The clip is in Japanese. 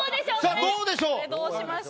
どうでしょう。